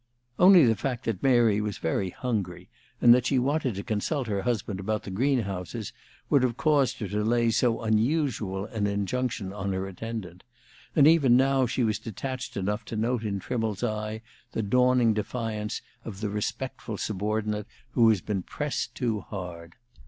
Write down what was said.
Only the fact that Mary was very hungry, and that she wanted to consult her husband about the greenhouses, would have caused her to lay so unusual an injunction on her attendant; and even now she was detached enough to note in Trimmle's eye the dawning defiance of the respectful subordinate who has been pressed too hard.